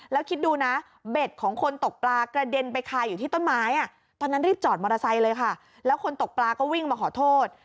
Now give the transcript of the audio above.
แล้วคิดดูนะเบ็ดของคนตกปลากระเด็นไปคาอยู่ที่ต้นไม้ตอนนั้นรีบจอดมอเตอร์ไซค์เลยค่ะแล้วคนตกปลาก็วิ่งมาขอโทษ